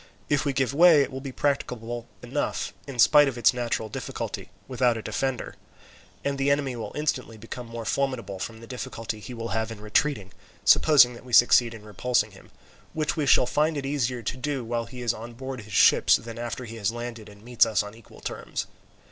If we give way it will be practicable enough, in spite of its natural difficulty, without a defender; and the enemy will instantly become more formidable from the difficulty he will have in retreating, supposing that we succeed in repulsing him, which we shall find it easier to do, while he is on board his ships, than after he has landed and meets us on equal terms.